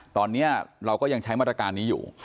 ตอนนี้เราก็ยังใช้มาตรการนี้อยู่